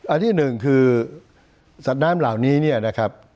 อันที่หนึ่งคือสัตว์น้ำเหล่านี้เนี่ยนะครับ